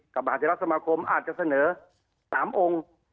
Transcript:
กับอาทิตย์รักษ์สมาคมอาจจะเสนอ๓องค์